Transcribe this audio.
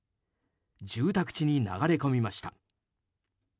住宅地に流れ込みました。